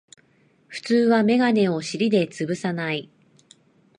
普通はメガネを尻でつぶさない